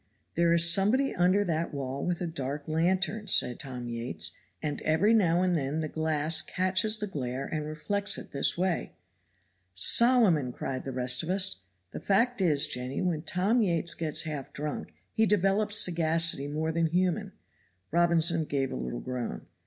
'There is somebody under that wall with a dark lantern,' said Tom Yates, 'and every now and then the glass catches the glare and reflects it this way.' 'Solomon!' cried the rest of us. The fact is, Jenny, when Tom Yates gets half drunk he develops sagacity more than human. (Robinson gave a little groan.)